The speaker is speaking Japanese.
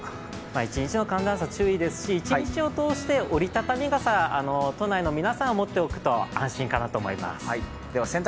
一日の寒暖差注意ですし一日を通して折りたたみ傘都内の皆さん持っておくと安心かなと思います。